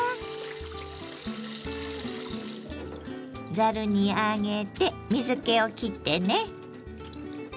ざるに上げて水けをきってね。